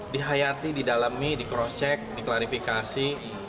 dihayati didalami di cross check diklarifikasi